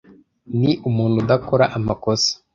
Ni umuntu udakora amakosa.